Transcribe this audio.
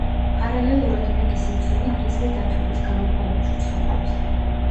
პარალელურად მეგი სიმფსონი გრიზლი დათვების გამოქვაბულში ცხოვრობს.